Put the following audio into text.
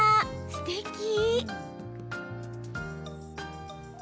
すてき！